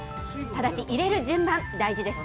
ただし、入れる順番、大事です。